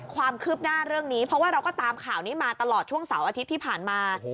ความคืบหน้าเรื่องนี้เพราะว่าเราก็ตามข่าวนี้มาตลอดช่วงเสาร์อาทิตย์ที่ผ่านมา